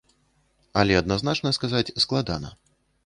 Але адназначна сказаць складана.